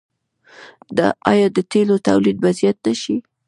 آیا د تیلو تولید به زیات نشي؟